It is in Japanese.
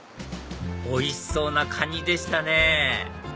おいしそうなカニでしたね！